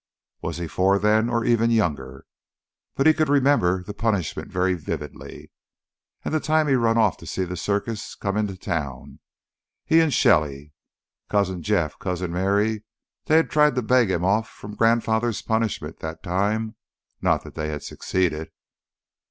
Was he four then, or even younger? But he could remember the punishment very vividly. And the time he'd run off to see the circus come into town, he and Shelly ... Cousin Jeff, Cousin Merry, they had tried to beg him off from Grandfather's punishment that time, not that they had succeeded.